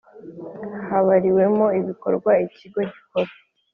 Habariwemo ibikorwa ikigo gikora